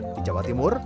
di jawa timur